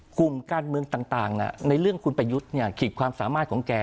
กลุ่มการเมืองต่างในเรื่องคุณประยุทธ์ขีดความสามารถของแก